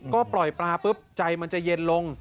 ก็ปล่อยปลาปุ๊บใจมันจะเย็นลง